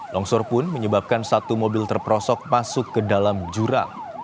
longsor pun menyebabkan satu mobil terprosok masuk ke dalam jurang